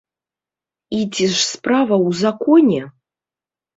І ці ж справа ў законе?